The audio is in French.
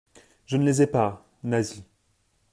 Je ne les ai pas, Nasie.